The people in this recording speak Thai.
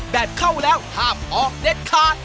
เข้าแล้วห้ามออกเด็ดขาด